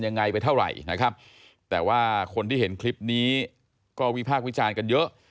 ในคลิปนี้ก็วิพากษ์วิจารณ์กันเยอะ